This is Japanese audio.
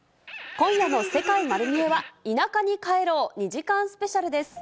今夜の世界まる見え！は田舎に帰ろう２時間スペシャルです。